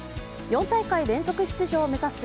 ４大会連続出場を目指す